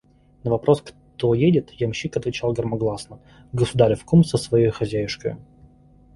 На вопрос: кто едет? – ямщик отвечал громогласно: «Государев кум со своею хозяюшкою».